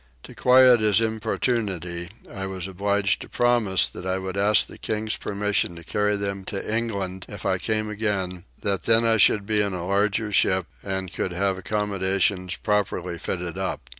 To quiet his importunity I was obliged to promise that I would ask the king's permission to carry them to England if I came again; that then I should be in a larger ship an could have accommodations properly fitted up.